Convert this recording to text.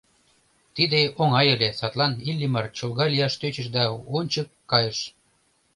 Тиде оҥай ыле, садлан Иллимар чолга лияш тӧчыш да ончык кайыш.